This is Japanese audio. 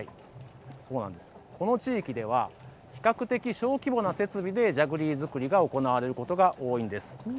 この地域では比較的、小規模な設備でジャグリー作りが行われることが多いんです。